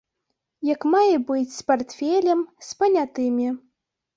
Як мае быць з партфелем, з панятымі.